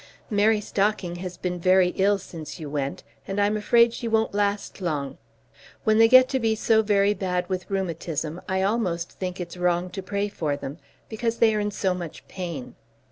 Mary Stocking has been very ill since you went, and I'm afraid she won't last long. When they get to be so very bad with rheumatism I almost think it's wrong to pray for them, because they are in so much pain.